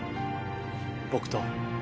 僕と。